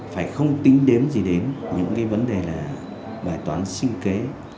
phải không tính đến gì đến những cái vấn đề là bài toán sinh kế